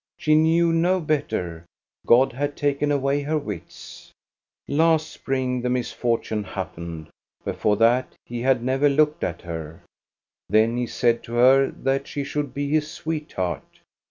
She knew no better. God had taken away her wits. "" Last spring the misfortime happened, — before that, he had never looked at her. Then he said to her that she should be his sweetheart.